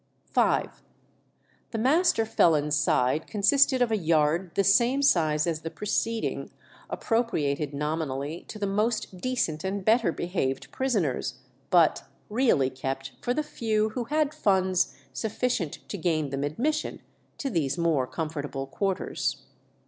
v. The master felons' side consisted of a yard the same size as the preceding, appropriated nominally to the most decent and better behaved prisoners, but really kept for the few who had funds sufficient to gain them admission to these more comfortable quarters.